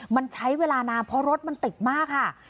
มันใช้เวลานานเพราะรถมันติดมากค่ะ